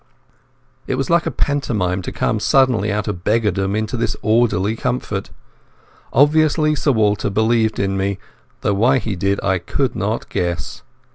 It was like a pantomime, to come suddenly out of beggardom into this orderly comfort. Obviously Sir Walter believed in me, though why he did I could not guess.